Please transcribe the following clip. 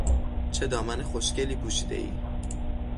چه دامن خوشگلی پوشیدهای!